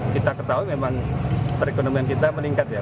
kita ketahui memang perekonomian kita meningkat ya